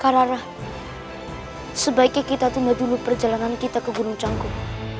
kak rara sebaiknya kita tunggu dulu perjalanan kita ke gunung cangkuk